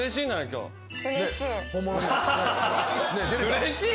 うれしい？